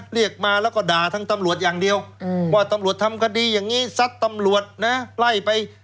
เรียกมาแล้วก็ด่าทั้งตำรวจอย่างเดียวว่าตำรวจทำคดีอย่างนี้ซัดตำรวจนะไล่ไป